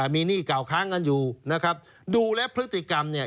มีหนี้เก่าค้างกันอยู่นะครับดูแล้วพฤติกรรมเนี่ย